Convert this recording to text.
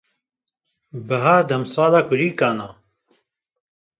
Bihar demsala kulîlkan e.